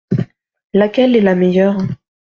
Laquelle est la meilleure ?